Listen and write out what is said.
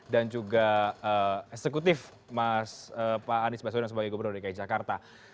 dan juga eksekutif mas pak anies basudan sebagai gubernur dki jakarta